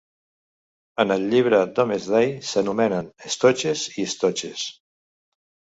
En el Llibre Domesday s"anomenen "Estoches" i "Stoches".